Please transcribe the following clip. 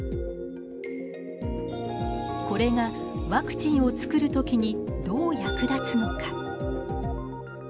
これがワクチンを作る時にどう役立つのか。